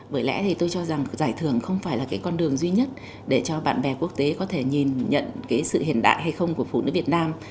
bởi lẽ thì tôi cho rằng giải thưởng không phải là cái con đường duy nhất để cho bạn bè quốc tế có thể nhìn nhận cái sự hiện đại hay không của phụ nữ việt nam